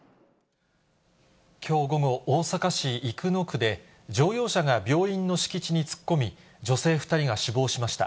きょう午後、大阪市生野区で、乗用車が病院の敷地に突っ込み、女性２人が死亡しました。